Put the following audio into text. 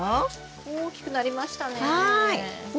大きくなりましたね。